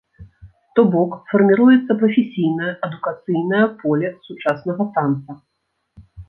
То бок, фарміруецца прафесійнае, адукацыйнае поле сучаснага танца.